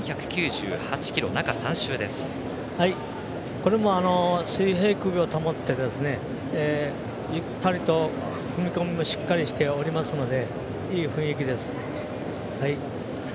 これも水平クビを保ってゆったりと踏み込みもしっかりしておりますのでいい雰囲気です。